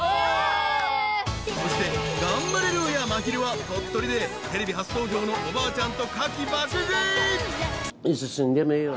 ［そしてガンバレルーヤまひるは鳥取でテレビ初登場のおばあちゃんとかき爆食い］